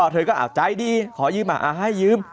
เธอก็อ่าวใจดีขอยืมอ่าวให้ยืม